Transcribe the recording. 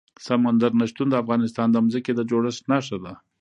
سمندر نه شتون د افغانستان د ځمکې د جوړښت نښه ده.